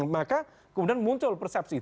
maka kemudian muncul persepsi